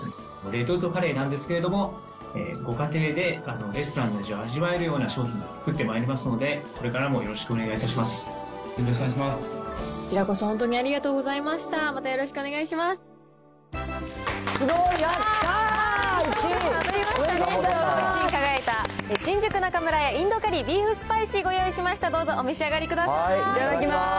レトルトカレーなんですけど、ご家庭でレストランの味を味わえるような商品を作ってまいりますので、これからもよろしくお願いいよろしくお願いします。